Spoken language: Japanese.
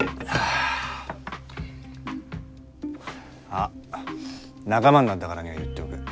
あ仲間になったからには言っておくよ。